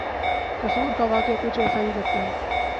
قصور کا واقعہ کچھ ایسا ہی لگتا ہے۔